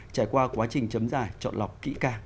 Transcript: trải qua quá trình chấm dài chọn lọc kỹ càng